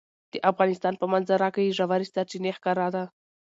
د افغانستان په منظره کې ژورې سرچینې ښکاره ده.